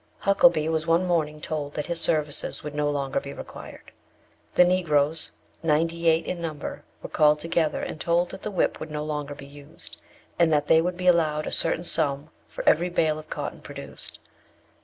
Huckelby was one morning told that his services would no longer be required. The Negroes, ninety eight in number, were called together and told that the whip would no longer be used, and that they would be allowed a certain sum for every bale of cotton produced.